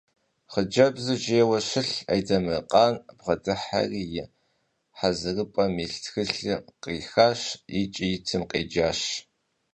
Хъыджэбзыр жейуэ щылъ Андемыркъан бгъэдыхьэри и хьэзырыпӀэм илъ тхылъыр кърихащ икӀи итым къеджащ.